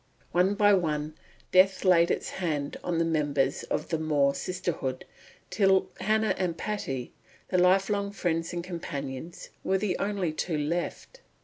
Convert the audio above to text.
One by one, death laid its hand on the members of the More sisterhood, till Hannah and Patty, the lifelong friends and companions, were the only two left.